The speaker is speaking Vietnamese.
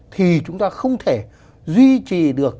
thì chúng ta không thể duy trì được